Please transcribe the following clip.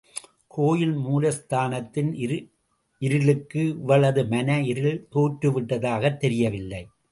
கோயில் மூலஸ்தானத்தின் இருளுக்கு இவளது மன இருள் தோற்றுவிட்டதாகத் தெரியவில்லை.